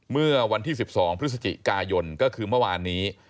เมื่อวันที่๑๒พฤศจิกายนก็คือเมื่อวานนี้